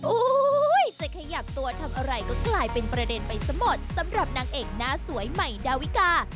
จะขยับตัวทำอะไรก็กลายเป็นประเด็นไปซะหมดสำหรับนางเอกหน้าสวยใหม่ดาวิกา